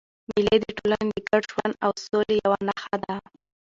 مېلې د ټولني د ګډ ژوند او سولي یوه نخښه ده.